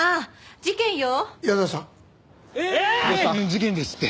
事件ですって。